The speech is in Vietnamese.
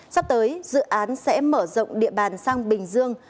sắp tới dự án sẽ mở rộng địa bàn sang bình dương